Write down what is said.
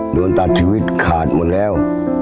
โดนตัดชีวิตขาดหมดแล้ว